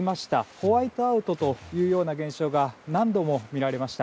ホワイトアウトというような現象が何度も見られました。